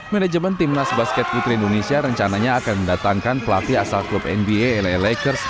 manajemen timnas basket putri indonesia rencananya akan mendatangkan pelatih asal klub nba la lakers